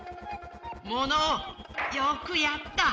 モノオよくやった！